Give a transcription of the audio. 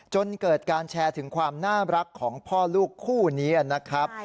จนเกิดการแชร์ถึงความน่ารักของพ่อลูกคู่นี้นะครับ